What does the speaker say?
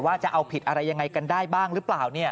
จะเอาผิดอะไรยังไงกันได้บ้างหรือเปล่า